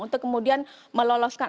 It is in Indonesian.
untuk kemudian meloloskan